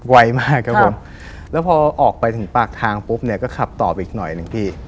ไวมากครับผมแล้วพอออกไปถึงปากทางปุ๊บเนี่ยก็ขับต่อไปอีกหน่อยหนึ่งพี่